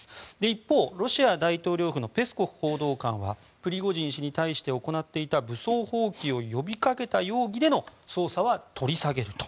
一方、ロシア大統領府のペスコフ報道官はプリゴジン氏に対して行っていた武装蜂起を呼び掛けた容疑での捜査は取り下げると。